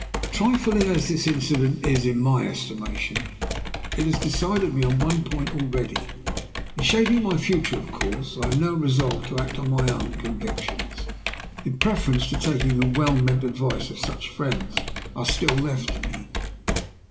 "Trifling as this incident is in my estimation, it has decided me on one point already. In shaping my future course I am now resolved to act on my own convictions in preference to taking the well meant advice of such friends as are still left to me.